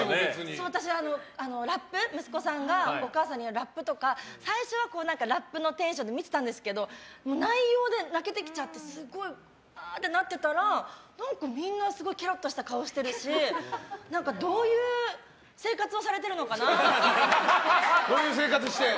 私、息子さんがお母さんにやるラップとか最初はラップのテンションで見ていたんですけど内容で泣けてきちゃってぶわーっとなってたらみんなケロッとした顔してるしどういう生活をされているのかなって。